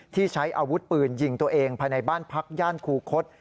ที่ใช้อาวุธปืนยิงตัวเองภายในบ้านพักย่านคูคศ